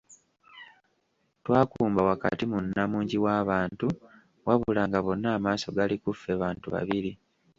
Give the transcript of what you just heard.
Twakumba wakati mu nnamungi w'abantu wabula nga bonna amaaso gali ku ffe bantu babiri.